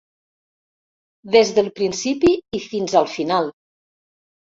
Des del principi i fins al final.